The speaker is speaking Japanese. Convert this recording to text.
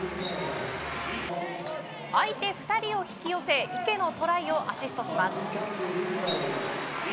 相手２人を引き寄せ１点のトライをアシストします。